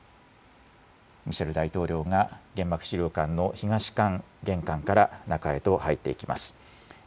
ミシェル大統領が原爆資料館の東館、玄関から中へと入っていきます。